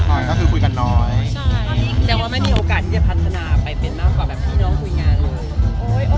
ค่อยก็คือคุยกันน้อย